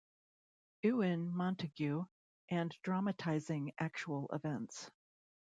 Ewen Montagu and dramatising actual events.